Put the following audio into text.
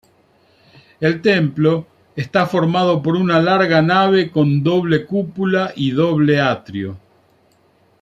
El templo está formado por una larga nave con doble cúpula y doble atrio.